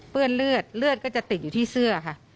เป้ื้อนเลือดเหลือดก็จะติดอยู่ที่เสื้อ